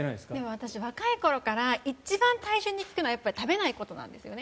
私若い頃から一番体重に効くのはやっぱり食べないことなんですよね。